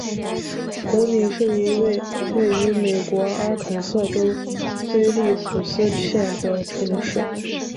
湖景是一个位于美国阿肯色州菲利普斯县的城市。